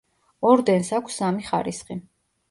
ორდენს აქვს სამი ხარისხი.